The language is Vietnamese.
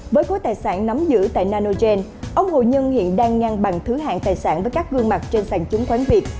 với cối tài sản nắm giữ tại nanogen ông hồ nhân hiện đang ngăn bằng thứ hạng tài sản với các gương mặt trên sàn chống khoán việt